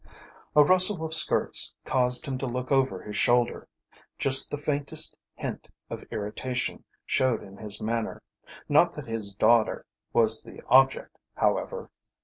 A rustle of skirts caused him to look over his shoulder. Just the faintest hint of irritation showed in his manner. Not that his daughter was the object, however.